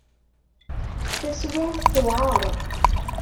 Taswiεt tewεer.